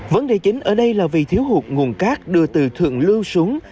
vấn đề chính ở đây là vì thiếu hụt nguồn cát đưa từ thượng lưu xuống